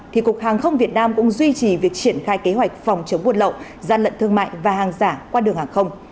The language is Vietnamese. thì cục hàng không việt nam cũng duy trì việc triển khai kế hoạch phòng chống buôn lậu gian lận thương mại và hàng giả qua đường hàng không